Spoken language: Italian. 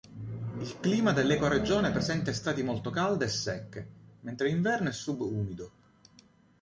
Il clima dell’ecoregione presenta estati molto calde e secche, mentre l’inverno è sub-umido.